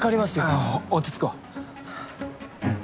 あぁ落ち着こうはぁうん。